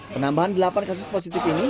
penambahan delapan kasus positif ini